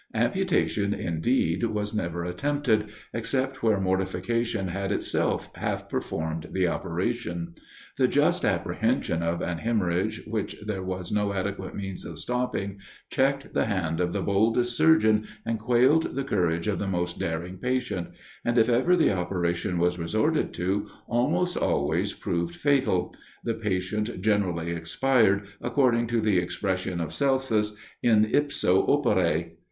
Amputation indeed was never attempted, except where mortification had itself half performed the operation. The just apprehension of an hemorrhage which there was no adequate means of stopping, checked the hand of the boldest surgeon, and quailed the courage of the most daring patient and if ever the operation was resorted to, it almost always proved fatal: the patient generally expired, according to the expression of Celsus, "in ipso opere."